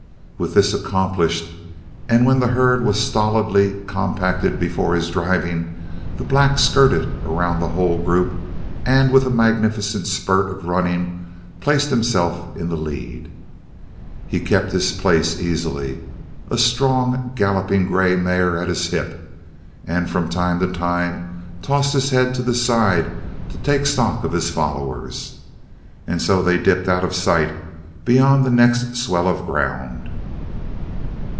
With this accomplished and when the herd was stolidly compacted before his driving, the black skirted around the whole group and with a magnificent spurt of running placed himself in the lead. He kept his place easily, a strong galloping grey mare at his hip, and from time to time tossed his head to the side to take stock of his followers. And so they dipped out of sight beyond the next swell of ground.